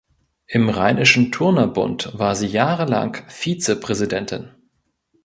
Im Rheinischen Turnerbund war sie jahrelang Vizepräsidentin.